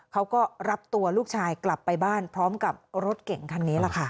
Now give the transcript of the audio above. เขาก็รับตัวลูกชายกลับไปบ้านพร้อมกับรถเก่งคันนี้แหละค่ะ